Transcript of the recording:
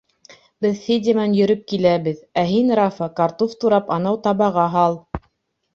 — Беҙ Федя менән йөрөп киләбеҙ, ә һин, Рафа, картуф турап анау табаға һал.